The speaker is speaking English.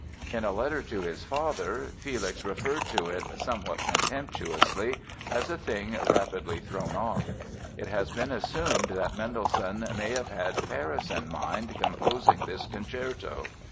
In a letter to his father Felix referred to it, somewhat contemptuously, as "a thing rapidly thrown off". It has been assumed that Mendelssohn may have had Paris in mind composing this concerto.